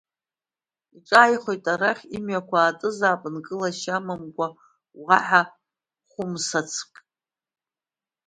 Иҿааихоит арахь, имҩақәа аатызаап, нкылашьа амамкәа уаҳа Хәымсацәк.